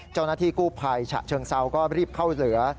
เจ้าหน้าที่กู้ภัยฉะเชิงเซาก็รีบเข้าเหลือ